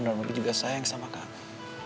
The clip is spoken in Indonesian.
dan papi juga sayang sama kamu